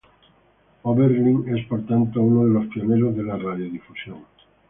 Oberlin, es, por tanto, uno de los pioneros de la radiodifusión.